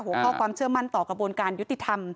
หัวข้อความเชื่อมั่นต่อกระบวนการยุติธรรม